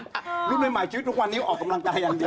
หนุ่มภายใบใหม่ชีวิตทุกวันนี้ก็ออกตำรังใจอันดี